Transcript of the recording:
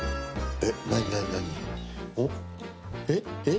えっ？